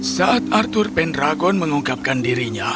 saat arthur penragon mengungkapkan dirinya